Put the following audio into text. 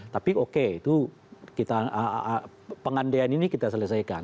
tapi oke itu pengandaian ini kita selesaikan